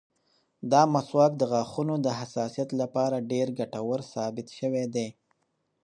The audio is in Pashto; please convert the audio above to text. دا مسواک د غاښونو د حساسیت لپاره ډېر ګټور ثابت شوی دی.